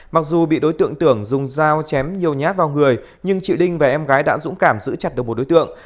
mặc dù bị đối tượng tưởng dùng dao chém nhiều nhát vào người nhưng chị đinh và em gái đã dũng cảm giữ chặt được một đối tượng